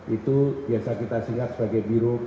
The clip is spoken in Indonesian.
itu biasa kita singkat sebagai biro pp